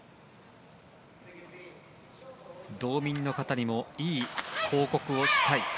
道民の方にもいい報告をしたい。